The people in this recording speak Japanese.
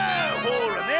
ほらね！